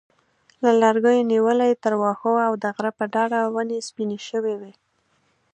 له لرګیو نیولې تر واښو او د غره په ډډه ونې سپینې شوې وې.